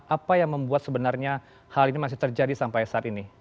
apa yang membuat sebenarnya hal ini masih terjadi sampai saat ini